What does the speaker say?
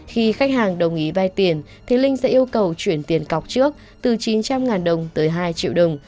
khi khách hàng đồng ý vai tiền thì linh sẽ yêu cầu chuyển tiền cọc trước từ chín trăm linh đồng tới hai triệu đồng